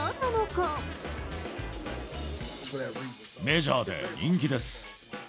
メジャーで人気です。